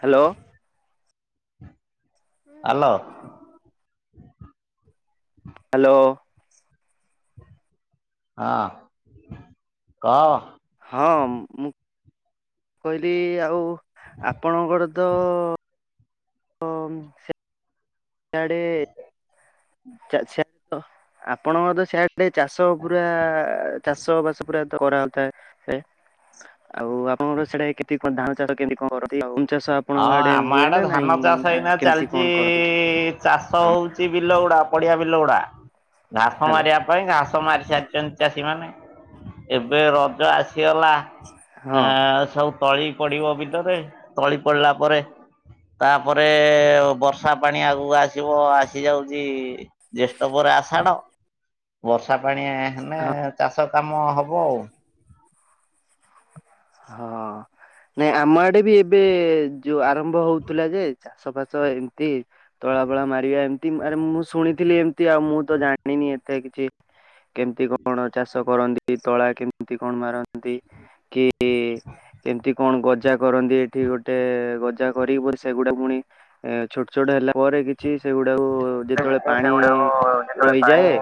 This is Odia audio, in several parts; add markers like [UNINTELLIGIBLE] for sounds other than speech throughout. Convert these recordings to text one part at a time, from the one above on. ହ୍ୟାଲୋ। ହାଲୋ। ହ୍ୟାଲୋ। ହଁ କହ। ହଁ ମୁଁ କହିଲି ଆଉ ଆପଣଙ୍କର ତ [UNINTELLIGIBLE] ସିଆଡ଼େ [UNINTELLIGIBLE] ଆପଣଙ୍କର ତ ସେଆ ଡ଼େ ଚାଷ ପୁରା ଚାଷ ବାସ ପୁରା ଏତେ କରାହଉଥାଏ ଆଉ ଆପଣଙ୍କର ସିଆଡ଼େ କେତିକି କଣ ଧାନ ଚାଷ କେମିତି କଣ କରନ୍ତି ଆଉ? ଚାଷ ଆପଣଙ୍କ ହଁ ଆମ ହୁଏ ଆଡେ ନା ନାଇଁ ଧାନ ଚାଷ ନା ଏଇନା କେମିତି କଣ ଚାଲିଛି କରନ୍ତି? ଚାଷ ହଉଛି ବିଲଗୁଡା ପଡିଆ ବିଲ ଗୁଡା ଘାସ ହ୍ୟାଲୋ ମାରିବା ପାଇଁ ଘାସ ମାରି ସାରିଛନ୍ତି ଚାଷୀମାନେ ଏବେ ରଜ ଆସିଗଲା ଆ ହଁ ସବୁ ତଳି ପଡିବ ବିଲରେ ତଳି ପଡିଲା ପରେ ତାପରେ ବର୍ଷା ପାଣି ଆଗକୁ ଆସିବ ଆସି ଯାଉଛି ଜ୍ୟେଷ୍ଠ ପରେ ଆଷାଢ ବର୍ଷା ପାଣି ହେଲେ ହଁ ଚାଷ କାମ ହବ ଆଉ। ହଁ। ନାଇଁ ଆମ ଆଡେ ବି ଏବେ ଯୋଉ ଆରମ୍ଭ ହଉଥିଲା ଯେ ଚାଷ ଫାସ ଏମିତି ତଳା ଫଳା ମାରିବା ଏମିତି ଆରେ ମୁଁ ଶୁଣିଥିଲି ଏମିତି ଆଉ ମୁଁ ତ ଜାଣିନି ଏତେ କିଛି। କେମିତି କଣ ଚାଷ କରନ୍ତି ତଳା କେମିତି କଣ ମାରନ୍ତି। କି କେମିତି କଣ ଗଜା କରନ୍ତି ଏଠି ଗୋଟେ ଗଜା କରିକି ସେଗୁଡା ପୁଣି ଏ ଛୋଟ ଛୋଟ ହେଲା ପରେ କିଛି ସେଗୁଡାକୁ ଯେତେବେଳେ ପାଣି ସେଗୁଡାକୁ ଯେତେବେଳେ ପାଣି ରହିଯାଏ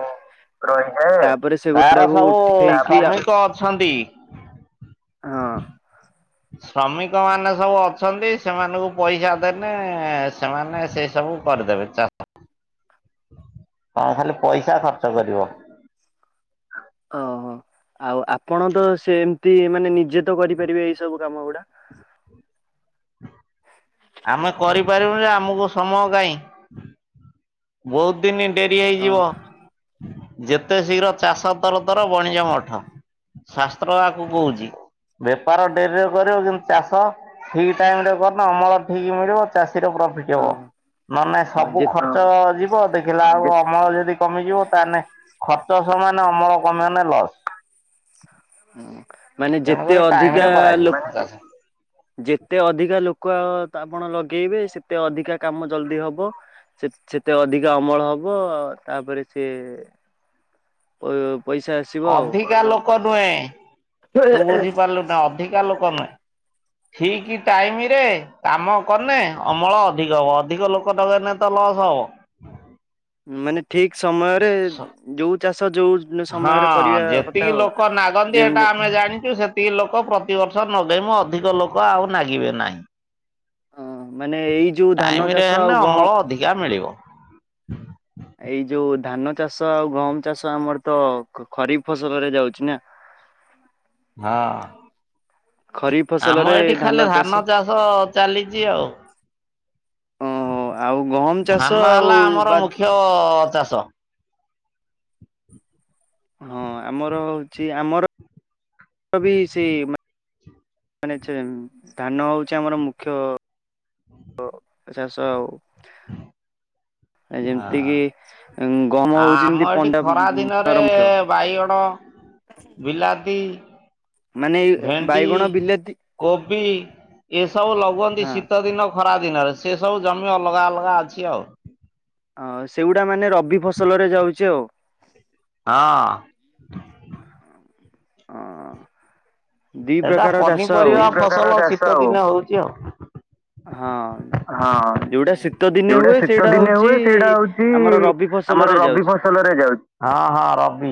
ରହିଯାଏ ତାପରେ ସେଗୁଡାକୁ ଉଠେଇକି ଲୋକ ଅଛନ୍ତି। ହଁ। ଶ୍ରମିକ ମାନେ ସବୁ ଅଛନ୍ତି ସେମାନଙ୍କୁ ପଇସା ଦେଲେ ସେମାନେ ସେ ସବୁ କରି ଦେବେ ଚାଷ। [UNINTELLIGIBLE] ତମେ ଖାଲି ପଇସା ଖର୍ଚ୍ଚ କରିବ। ଓହୋ, ଆଉ ଆପଣ ତ ସେମିତି ମାନେ ନିଜେ ତ କରିପାରିବେ ଏଇ ସବୁ କାମ ଗୁଡା? [UNINTELLIGIBLE] ଆମେ କରିପାରିବୁ ଯେ ଆମକୁ ସମୟ କାହିଁ? ବହୁତ ଦିନ ଡେରି ଅଁ ହେଇଯିବ। ଯେତେ ଶୀଘ୍ର ଚାଷ ତର ତର ବଣିଜ ମଠ। ଶାସ୍ତ୍ର ଆକୁ କହୁଛି ବେପାର ଡେରିରେ କରିବ କିନ୍ତୁ ଚାଷ ଠିକ୍ ଟାଇମ୍ ରେ କରିବ ଅମଳ ଠିକ୍ ମିଳିବ ଚାଷୀର ପ୍ରଫିଟ୍। ଅଁ ନ ହେଲେ ହଁ ସବୁ ଯେ ଖର୍ଚ୍ଚ ଯିବ ଦେଖିଲା ବେଳକୁ ଅମଳ ଯଦି କମିଯିବ ତାହେଲେ ଖର୍ଚ୍ଚ ସମାନେ ଅମଳ କମିବ ନା ଲସ। ମାନେ ତେଣୁ ଯେତେ କରି ଟାଇମ୍ ଅଧିକା ରେ ଲୋ କରାଯିବ ଚାଷ। ଯେତେ ଅଧିକା ଲୋକ ଆପଣ ଲଗେଇବେ ସେତେ ଅଧିକା କାମ ଜଲଦି ହବ। ସେ ସେତେ ଅଧିକା ଅମଳ ହବ, ତାପରେ ସେ ପ ପଇସା ଆଉ। ଅଧିକା ଲୋକ ନୁହେଁ ତୁ ବୁଝିପାରିଲୁ ନା ଅଧିକା ଲୋକ ନୁହେଁ। ଠିକ ଟାଇମରେ କାମ କନେ ଅମଳ ଅଧିକ ହେବ ଅଧିକ ଲୋକ ଦରକାର ନାହିଁ ତ। ଲସ ହେଵ। ମାନେ ଠିକ ସମୟରେ ଯୋଉ ଚାଷ ଯୋଉ ହଁ ସମୟରେ କରିବା କଥା ଯେତିକି ଆଉ। ଲୋକ ନାଗନ୍ତି ହେଟା ଯେମିତି ଆମେ ଜାଣିଛୁ ସେ ଲୋକ ପ୍ରତିବର୍ଷ ନଗାଇ ମୁୁ ଅଧିକ ଲୋକ ଆଉ ନାଗିବେ ନାହିଁ। ହ ମାନେ ଏଇ ଯୋଉ ଧାନ ଟାଇମରେ ଚାଷ ଆଉ ହେଲେ ଗହମ ଅମଳ ଅଧିକା ମିଳିବ। ଏଇ ଯୋଉ ଧାନ ଚାଷ ଆଉ ଗହମ ଚାଷ ଆମର ତ ଖରିଫ ଫସଲରେ ଯାଉଛି ନା। ହଁ ଆମର ଏଠି ଖାଲି ଧାନ ଚାଷ ଚାଲିଛି ଆଉ। ଓ ଆଉ ଗହମ ଚାଷ ଧାନ ଆଉ ହେଲା ଆମର ବା ମୁଖ୍ୟ ଚାଷ। ହଁ ଆମର ହଉଛି ଆମର ବି ସେଇ ମାନେ ଧାନ ହେଉଛି ଆମର ମୁଖ୍ୟ ଚାଷ ଆଉ। ହଁ ଯେମିତି କିି ଗହମ ଆ ହଉଛି ଯେମିତି ଆମର ଏଠି ଖରା ଦିନରେ ପଞ୍ଜାବର ମୁଖ୍ୟ ବାଇଗଣ ବିଲାତି। ମାନେ ଏଇ ଭେଣ୍ଡି, ବାଇଗଣ ବିଲାତି କୋବି ଏସବୁ ଲଗନ୍ତି ହଁ ଶୀତ ଦିନ ଖରା ଦିନରେ ସେ ସବୁ ଜମି ଅଲଗା ଅଲଗା ଅଛି ଆଉ। ହ ସେଗୁଡା ମାନେ ରବି ଫସଲ ରେ ଯାଉଛି ଆଉ। ହଁ। ହଉ [INAUDIBLE] ହଁ। ଏଟା ପନିପରିବା ଫସଲ କିଛି ଦିନ ହଉଛି ଆଉ। ହଁ ହଁ ଯୋଉଟା ଶୀତ ଦିନେ ଯୋଉଟା ହୁଏ ଶୀତ ସେଇଟା ଦିନେ ହଉଛି ହୁଏ ସେଇଟା ହଉଛି ଆମର ରବି ଆମର ଫସଲରେ ରବି ଯାଉଛି। ଫସଲରେ ଯାଉଛି। ହଁ ହଁ ରବି।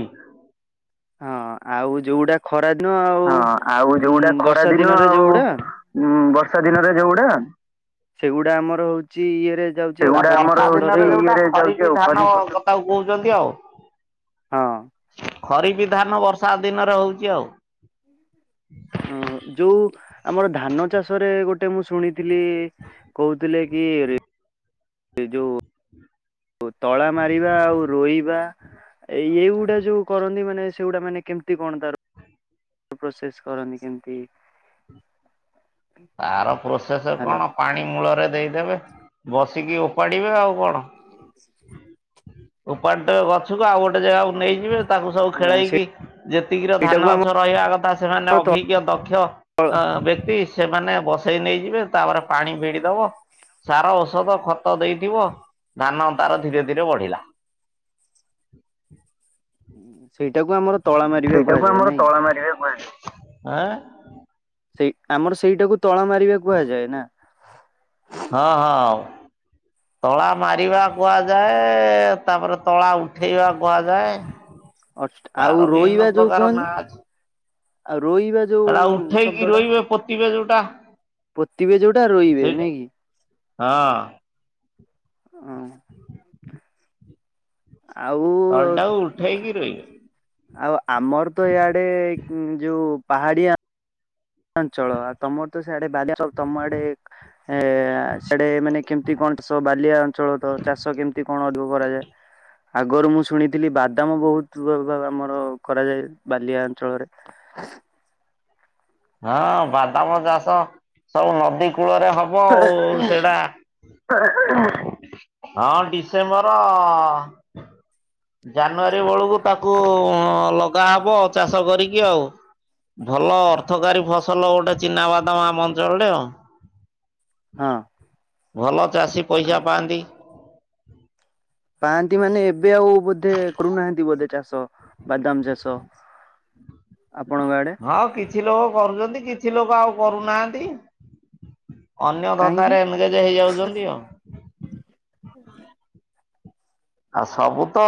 ହଁ ଆଉ ଯୋଉୁଡା ଖରା ଦିନ ଆଉ ହଁ ଆଉ ଯୋଉଗୁଡା ଖରା ବର୍ଷା ଦିନ ଦିନରେ ଆଉ ଯୋଉଗୁଡା ଉଁ ବର୍ଷା ଦିନରେ ଯୋଉଗୁଡା ସେଗୁଡା ଆମର ହଉଛି ଇଏରେ ଯାଉଛି ସୋ ଆଉ କଥା ଖରିଫ ଫସଲରେ ଆଉ କହୁଛନ୍ତି ଆଉ [UNINTELLIGIBLE] ହଁ ଖରିପି ଧାନ ବର୍ଷା ଦିନରେ ହେଉଛି ଆଉ। ଓ ଯୋଉ ଆମର ଧାନ ଚାଷରେ ଗୋଟେ ମୁଁ ଶୁଣିଥିଲି କହୁଥିଲେ କି ଯୋଉ ତଳା ମାରିବା ଆଉ ରୋଇବା ଏଇ ଏଇଗୁଡା ଯୋଉ କରନ୍ତି ମାନେ ସେଇଗୁଡା ମାନେ କେମିତି କଣ ତାର ପ୍ରୋସେସ କରନ୍ତି କେମତି? ତାର ପ୍ରୋସେସ ହ୍ୟାଲୋ କଣ ପାଣି ମୂଳରେ ଦେଇଦେବେ ବସିକି ଓପାଡିବେ ଆଉ କଣ। ହଁ [INAUDIBLE] ଉପାଡି ଦେବେ ଗଛକୁ ଆଉ ଗୋଟେ ଜାଗାକୁ ନେଇଯିବେ ତାକୁ ସବୁ ଖେଳେଇକି ଯେତିକିର ସେଇଟାକୁ ଧାନ ଗଛ ରହିବା କଥା ସେମାନେ ଆମ ଅଭିଜ୍ଞ ଦକ୍ଷ ବ୍ୟକ୍ତି ସେମାନେ ବସେଇ ନେଇଯିବେ ତାପରେ ପାଣି ଭିଡି ଦବ। ସାର ଔଷଧ ଖତ ଦେଇଥିବ ଧାନ ତାର ଧୀରେ ଧୀରେ ବଢିଲା। ସେଇଟାକୁ ଆମ ସେଇଟାକୁ ଆମର ତଳା ମାରିବା କୁହାଯାଏ। ସେଇ ଆମର ସେଇଟାକୁ ତଳ ମାରିବାକୁ କୁହାଯାଏ ନା। ହଁ ହଁ ତଳା ମାରିବା କୁହା ଯାଏ ତାପରେ ତଳା ଉଠେଇବା କୁହାଯାଏ। ଅ ଆଉ ତାର ବିଭିନ୍ନ ରୋଇବା ଯୋଉ ପ୍ରକାର କୁହନ୍ତି ନାଁ ଅଛି। ଆଉ ରୋଇବା ଯୋଉ ଏଟା ଉଠେଇକି ଶବ୍ଦ ଟା ରୋଇବେ ପୋତିିବେ ଯୋଉଟା ପୋତିିବେ ଯୋଉଟା ରୋଇବେ ସେଇଟା ନାଇଁ କି। ହଁ ଅଁ ଆଉ ତଳଟାକୁ ଉଠେଇକିରି ଆଉ ଆମର ତ ଇଆଡେ ଉଁ ଯୋଉ ପାହାଡ଼ିଆ ଅଞ୍ଚଳ ଆଉ ତମର ତ ସିଆଡେ ବାଲିଆ ଅଞ୍ଚଳ ତମ ଆଡ଼େ ଏ ସିଆଡେ ମାନେ କେମତି କଣ ଚାଷ ବାଲିଆ ଅଞ୍ଚଳ ତ ଚାଷ କେମିତି କଣ ଅଧିକ କରାଯାଏ। ଆଗରୁ ମୁଁ ଶୁଣିଥିଲି ବାଦାମ ବହୁତ ବ ଆମର କରାଯାଏ ବାଲିଆ ଅଞ୍ଚଳରେ [INAUDIBLE] ହଁ ବାଦାମ ଚାଷ ସବୁ ନଦୀ କୂଳରେ ହବ ଆଉ ସେଇଟା ହଁ ଡିସେମ୍ବର ଜାନୁଆରୀ ବେଳକୁ ତାକୁ ଲଗା ହବ ଚାଷ କରିକି ଆଉ। ଭଲ ଅର୍ଥକାରୀ ଫସଲ ଗୋଟେ ଚିନାବାଦାମ ଆମ ଅଞ୍ଚଳରେ ଆଉ। ହଁ ଭଲ ଚାଷୀ ପଇସା ପାଆନ୍ତି। ପାଆନ୍ତି ମାନେ ଏବେ ଆଉ ବୋଧେ କରୁନାହାନ୍ତି ବୋଧେ ଚାଷ ବାଦାମ ଚାଷ। ଆପଣଙ୍କ ଆଡ଼େ? ହଁ କିଛି ଲୋକ କରୁଛନ୍ତି କିଛି ଲୋକ ଆଉ କରୁନାହାନ୍ତି। ଅନ୍ୟ କାହିଁକି? ଧନ୍ଦାରେ ଏନଗେଜ ହେଇଯାଉଛନ୍ତି ଆଉ ହୁଁ। ଆଉ ସବୁ ତ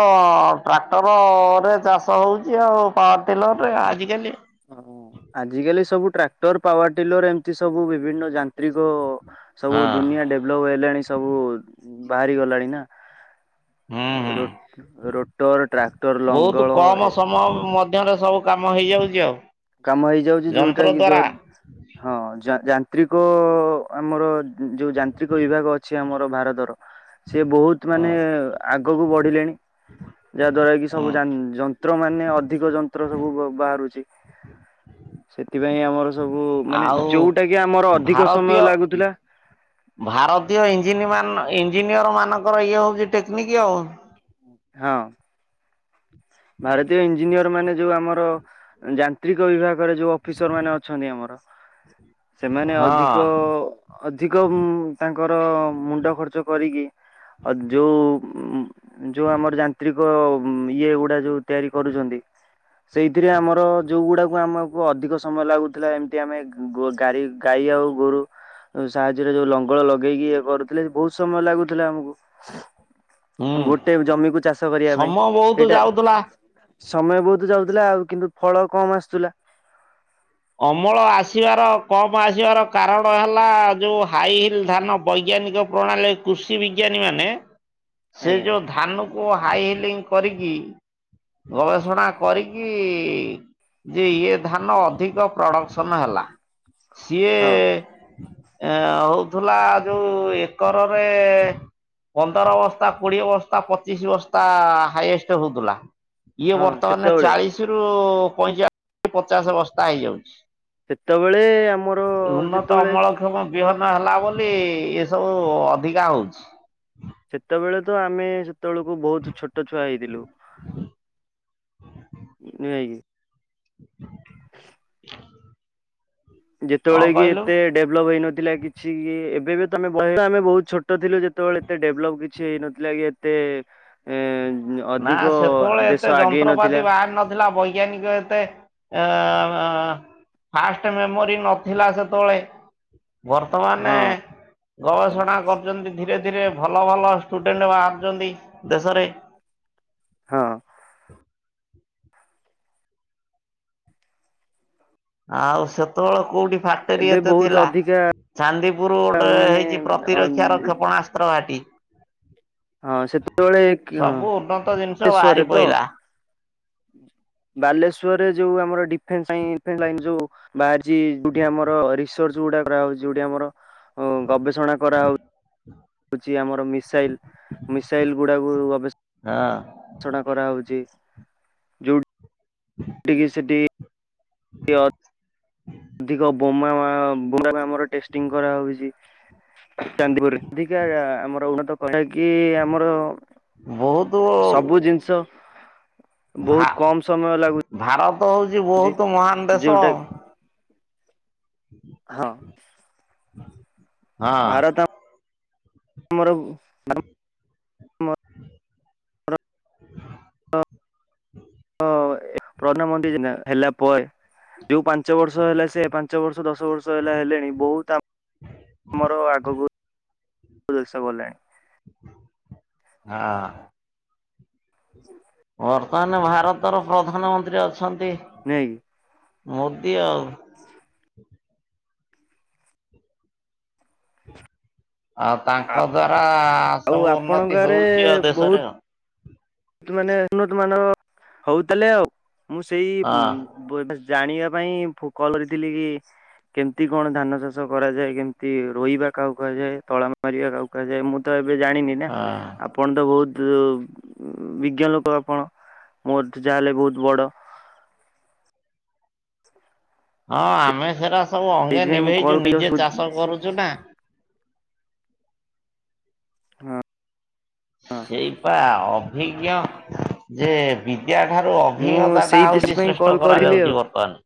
ଟ୍ରାକ୍ଟରରେ ଚାଷ ହଉଛି ଆଉ ପାୱାର ଟିଲରରେ ଆଜିକାଲି ହୁଁ ଆଜିକାଲି ସବୁ ଟ୍ରାକ୍ଟର ପାୱାର ଟିଲର ଏମିତି ସବୁ ବିଭିନ୍ନ ଯାନ୍ତ୍ରିକ ସବୁ ହଁ। ଦୁନିଆ ଡେଭଲପ ହେଲାଣି ସବୁ ବାହାରି ଗଲାଣି ନା। ହୁଁ ହୁଁ ରୋଟ୍ ରୋଟର ଟ୍ରାକ୍ଟର ଲଙ୍ଗଳ ଏ ମ ମଧ୍ୟରେ ସବୁ କାମ ହେଇଯାଉଚି ଆଉ କାମ ହେଇଯାଉଚି ଯୋଉଟା ଯନ୍ତ୍ର କି ଯ ଦ୍ଵାରା ହଁ ଯାନ୍ତ୍ରିକ ଆମର ଯୋଉ ଯାନ୍ତ୍ରିକ ବିଭାଗ ଅଛି ଆମର ଭାରତର ସିଏ ବହୁତ ମାନେ ହଁ ଆଗକୁ ବଢିଲେଣି ଯାହା ଦ୍ଵାରା କି ହଁ ସବୁ ଯାନ ଯନ ଯନ୍ତ୍ର ମାନେ ଅଧିକ ଯନ୍ତ୍ର ସବୁ ବ ବାହାରୁଛି। ସେଥିପାଇଁ ଆମର ସବୁ ମାନେ ଆଉ ଯୋଉଟା କି ଆମର ଅଧିକ ଭାରତୀୟ ସମୟ ଲାଗୁଥିଲା ଭାରତୀୟ ଇଞ୍ଜିନ ମାନ ଇଞ୍ଜିନିୟର ମାନଙ୍କର ଇଏ ହଉଛି ଟେକ୍ନିକ ଆଉ ଉଁ ହଁ। ଭାରତୀୟ ଇଞ୍ଜିନିୟର ମାନେ ଯୋଉ ଆମର ଯାନ୍ତ୍ରିକ ବିଭାଗରେ ଯୋଉ ଅଫିସର ମାନେ ଅଛନ୍ତି ଆମର ସେମାନେ ହଁ ଅଧିକ ଅଧିକ ହୁଁ ତାଙ୍କର ମୁଣ୍ଡ ଖର୍ଚ୍ଚ କରିକି ଅ ଯୋଉ ଯୋଉ ଆମର ଯାନ୍ତ୍ରିକ ଇଏ ଗୁଡା ଯୋଉ ତିଆରି କରୁଛନ୍ତି ସେଇଥିରେ ଆମର ଯୋଉଗୁଡାକୁ ଆମ ଅଧିକ ସମୟ ଲାଗୁଥିଲା ଏମିତି ଆମେ ଗୋ ଗାରି ଗାଈ ଆଉ ଗୋରୁ ସାହାଯ୍ୟରେ ଯୋଉ ଲଙ୍ଗଳ ଲଗେଇକି ଇଏ କରୁଥିଲେ ବହୁତ ସମୟ ଲାଗୁଥିଲା ହୁଁ ଆମକୁ ଗୋଟେ ଜମିକୁ ଚାଷ କରିବା ପାଇଁ ସମୟ ବହୁତ ସେଇଟା ଯାଉଥିଲା। ସମୟ ବହୁତ ଯାଉଥିଲା ଆଉ କିନ୍ତୁ ଫଳ କମ୍ ଆସୁଥିଲା। ଅମଳ ଆସିବାର କମ୍ ଆସିବାର କାରଣ ହେଲା ଯୋଉ ହାଇ ହିଲ୍ ଧାନ ବୈଜ୍ଞାନିକ ପ୍ରଣାଳୀରେ କୃଷି ବିଜ୍ଞାନୀ ମାନେ ସେ ଆଜ୍ଞା। ଯୋଉ ଧାନକୁ ହାଇ ହିଲିଂ କରିକି ଗବେଷଣା କରିକି ଯେ ଇଏ ଧାନ ଅଧିକ ଅଧିକ ପ୍ରଡକ୍ସନ ହେଲା ସିଏ ହଁ ଏଁ ହଉଥିଲା ଯୋଉ ଏକରରେ ପନ୍ଦର ବସ୍ତା, କୋଡିଏ ବସ୍ତା, ପଚିଶ ବସ୍ତା ହାଇଏଷ୍ଟ୍ ହଉଥିଲା। ଇଏ ହଁ ବର୍ତ୍ତମାନ ସେତେବେଳେ ଚାଳିଶ ରୁ ପଇଁଚାଳିଶ ପଚାଶ ବସ୍ତା ହେଇଯାଉଛି। ସେତେବେଳେ ଆମର ଯେତେବେଳେ ପ୍ରଥମ ବିହନ ହେଲା ବୋଲି ଏ ସବୁ ଅଧିକା ହଉଛି। ସେତେବେଳେ ତ ଆମେ ସେତେବେଳକୁ ବହୁତ ଛୋଟ ଛୁଆ ହେଇଥିଲୁ। ନିଆକି। [INAUDIBLE] କଣ ଯେତେବେଳେ କି କହିଲୁ? ଏତେ ଡେଭଲପ ହେଇନଥିଲା କିଛି କି ଏବେ ବି ତମେ ବୟ ଆମେ ବହୁତ ଛୋଟ ଥିଲୁ ଯେତେବେଳେ ଏତେ ଡେଭଲପ କିଛି ହେଇନଥିଲା କି ତେ। ନା ସେତେବେଳେ ଦେଶ ଏତେ ଆଗେଇ ନଥିଲା ଯନ୍ତ୍ରପାତି ବାହାରି ନଥିଲା ବୈଜ୍ଞାନିକ ତେ ଫାଷ୍ଟ ମେମୋରି ନଥିଲା ସେତେବେଳେ ବର୍ତ୍ତମାନ ହଁ ଗବେଷଣା କରୁଛନ୍ତି ଧୀରେ ଥିରେ ଭଲ ଭଲ ଷ୍ଟୁଡେଣ୍ଟ ବାହାରୁଛନ୍ତି ଦେଶରେ। ହଁ। ଆଉ ସେତେବେଳେ କୋଉଠି ଫାକ୍ଟରୀ ଏବେ ଏତେ ବହୁତ ଥିଲା। ଅଧିକା ଚାନ୍ଦିପୁରୁ ଗୋଟେ ମାନେ ହେଇଛି ଅ ପ୍ରତିରକ୍ଷାର କ୍ଷେପଣାସ୍ତ୍ର ଘାଟି। ହଁ ସେତେବେଳେ କିଅ ସବୁ ଉନ୍ନତ ଜିନିଷ ବାହାରି ବାଲେଶ୍ଵରରେ ତ? ପଇଲା ବାଲେଶ୍ଵରରେ ଯୋଉ ଆମର ଡି [UNINTELLIGIBLE] ଯୋଉ ବାହାରିଛି ଯୋଉଠି ଆମର ରିସର୍ଚ ଯୋଉଟା କରାହଉଛି ଯୋଉଠି ଆମର ହଁ ଗବେଷଣା କରାହଉ ହଛି ଆମର ମିସାଇଲ ମିସାଇଲ ଗୁଡ଼ାକୁ ଗବେଶ ହାଁ। ଛଣା କରାହଉଛି। ହୁଁ ଡିିଗି ସେଟି ହ ହ ଅଧିକ ବୋମା ବୋମାର ଟେଷ୍ଟିଂ କରାହଉଛି। ଚାନ୍ଦିପୁରରେ ଅଧିକ ଆମର ଉନ୍ନତ [UNINTELLIGIBLE] କିି ଆମର ବହୁତ ସବୁ ଜିନିଷ। ଭା ବହୁତ କମ ସମୟ ଲାଗୁ ଭାରତ ହଉଛି ବହୁତ ମହାନ୍ ଦେଶ। ଯୋଉଟା ହଁ। ହଁ। ଭାରତ [UNINTELLIGIBLE] ହୁଁ [UNINTELLIGIBLE] [UNINTELLIGIBLE] ଯୋଉ ପାଞ୍ଚ ବର୍ଷ ହେଲା ସେ ପା ଞ୍ଚ ବର୍ଷ ଦଶ ବର୍ଷ ହେଲା ହେଲେଣି ବହୁତ ଆମ ଆମର ଆଗକୁ [UNINTELLIGIBLE] ହାଁ। ହଁ ବର୍ତ୍ତମାନ ଭାରତର ପ୍ରଧାନମନ୍ତ୍ରୀ ଅଛନ୍ତି ନୁହେଁ କି? ମୋଦି ଆଉ। ଆଉ ତାଙ୍କ ଦ୍ଵାରା ଆଉ ସବୁ ଆପଣଙ୍କ ଉନ୍ନତି ଗାଁରେ ହଉଛି ଆଉ ଦେଶରେ ଆଉ। ତୁ ମାନେ ଉନ୍ନତ ମାନ ହଉ ତାଲେ ଆଉ ମୁଁ ସେଇ ଉମ ହଁ। ବୁ ଏଟା ଜାଣିବା ପାଇଁ [UNINTELLIGIBLE] କେମିତି କଣ ଧାନ ଚାଷ କରାଯାଏ କେମିତି ରୋଇବା କାହାକୁ କୁହାଯାଏ ତଳା ମାରିବା କାଉ କୁହାଯାଏ ମୁଁ ତ ଏବେ ଜାଣିନି ନା ହଁ ଆପଣ ତ ବହୁତୁ ଉ ବିଜ୍ଞ ଲୋକ ଆପଣ ମୋଠୁ ଯାହା ହେଲେ ବହୁତ ବଡ଼। ହଁ ଆମେ ସେରା ସବୁ ଅଙ୍ଗେ ସେଇଥିପାଇଁ ମୁଁ କଲ୍ ନିଭେଇଛୁ କରି ନିଜେ ଶୁଛି ଚାଷ କରୁଛୁ ନା। ହଁ। ହଁ ସେଇପା ଅଭିଜ୍ଞ ଯେ ବିଦ୍ୟାଠାରୁ ମୁଁ ଅଭିଜ୍ଞତାଟା ସେଇ ହେଉଛି ସେଥିପାଇଁ ଶ୍ରେଷ୍ଠ କଲ୍ କରିଲି ଆଉ କରାଯାଉଛି ବର୍ତ୍ତମାନ।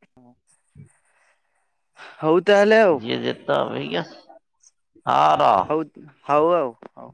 ହଉ ତାହେଲେ ଆଉ ଯିଏ ଯେତ ଅଭିଜ୍ଞସ ହଁ ର। ହଉ ଆଉ।